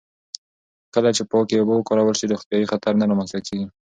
کله چې پاکې اوبه وکارول شي، روغتیايي خطر نه رامنځته کېږي.